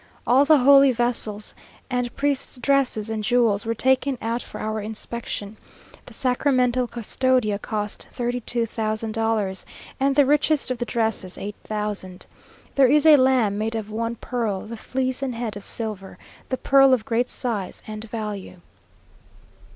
All the holy vessels and priests' dresses and jewels were taken out for our inspection. The sacramental custodía cost thirty two thousand dollars, and the richest of the dresses eight thousand. There is a lamb made of one pearl, the fleece and head of silver; the pearl of great size and value.